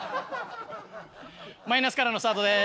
マイナスからのスタートです。